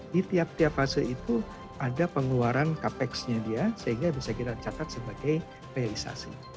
di tiap tiap fase itu ada pengeluaran capex nya dia sehingga bisa kita catat sebagai realisasi